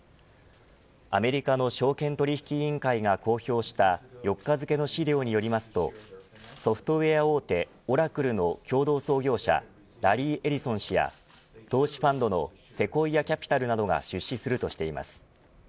アメリカの証券取引委員会が公表した４日付の資料によりますとソフトウエア大手オラクルの共同創業者ラリー・エリソン氏や投資ファンドのセコイア・キャピタルなどが出資するとしています。